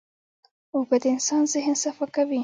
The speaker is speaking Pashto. اوبه د انسان ذهن صفا کوي.